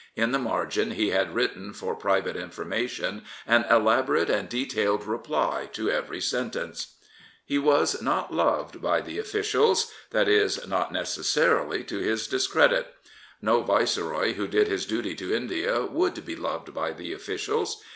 In the margin he had written for private information an elaborate and detailed reply to every sentence. He was not loved by the oflScials. That is not 224 Lord Curzon necessarily to his discredit. No Viceroy who did his duty to India would be loved by the officials.